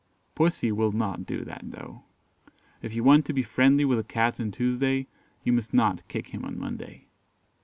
Pussy will not do that though. If you want to be friendly with a cat on Tuesday, you must not kick him on Monday.